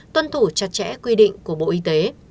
tuân thủ chặt chẽ quy định của bộ y tế